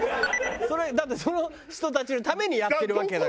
それだってその人たちのためにやってるわけだから。